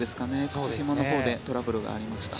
靴ひものほうでトラブルがありました。